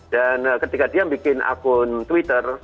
dan ketika dia membuat akun twitter